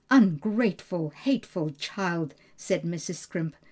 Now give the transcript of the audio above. "Ungrateful, hateful child!" said Mrs. Scrimp.